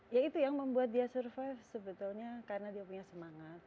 ya itu yang membuat dia survive sebetulnya karena dia punya semangat